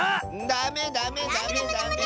ダメダメダメダメ！